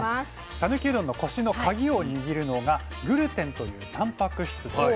讃岐うどんのコシのカギを握るのがグルテンというタンパク質です。